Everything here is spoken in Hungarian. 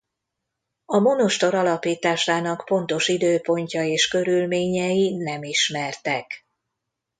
A monostor alapításának pontos időpontja és körülményei nem ismertek.